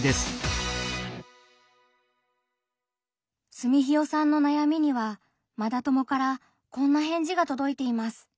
すみひよさんの悩みにはマダ友からこんな返事がとどいています。